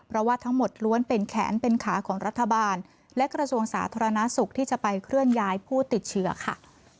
เพราะว่าทั้งหมดล้วนเป็นแขนเป็นขาของรัฐบาลและกระทรวงสาธารณสุขที่จะไปเคลื่อนย้ายผู้ติดเชื้อค่ะ